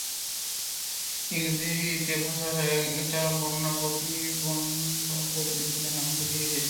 ইংরেজিতে ভাষাতেও এটি বন্য পপি ফুলের নাম থেকেই এসেছে।